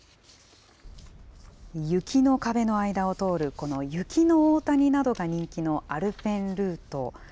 雪の壁の間を通るこの雪の大谷などが人気のアルペンルート。